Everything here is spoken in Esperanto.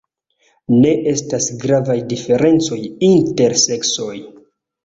Ne estas gravaj diferencoj inter seksoj.